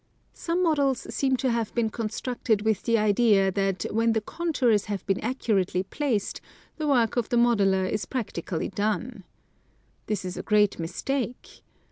Some models seem to have been constructed with the idea that when the contours have been accurately placed the work of the modeller is practically done. This is a great mistake.